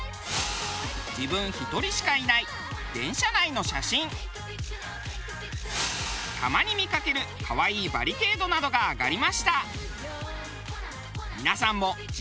自分１人しかいない電車内の写真たまに見かける可愛いバリケードなどが挙がりました。